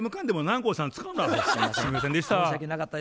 すいませんでした。